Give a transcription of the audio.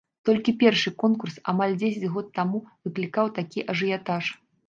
Толькі першы конкурс, амаль дзесяць год таму, выклікаў такі ажыятаж.